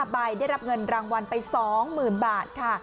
ใบได้รับเงินรางวัลไป๒๐๐๐บาทค่ะ